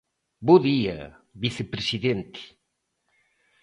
Bo día, vicepresidente.